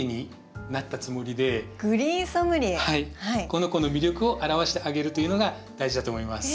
この子の魅力を表してあげるというのが大事だと思います。